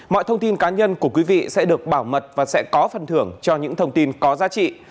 mọi thông tin cá nhân của quý vị sẽ được bảo mật và sẽ có phần thưởng cho những thông tin có giá trị